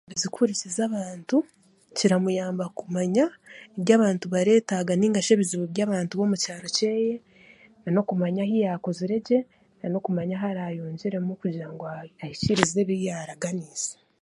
kuhurikiza abantu kiramuyamba kumanya ebi abantu bareetaaga nainga shi ebizibu by'abantu b'omukyaro kyeye nanokumanya ahu yaakoziregye nanokumanya ahu araayongyeremu kugira ngu ahikiirize ebi yaaraganiise.